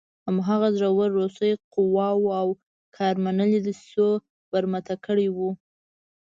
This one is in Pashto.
هماغو زړو روسي قواوو او کارملي دسیسو برمته کړی وي.